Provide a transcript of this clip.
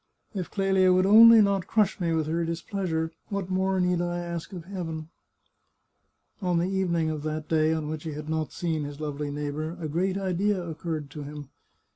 If Clelia would only not crush me with her displeasure, what more need I ask of Heaven ?" On the evening of that day on which he had not seen his lovely neighbour, a great idea occurred to him.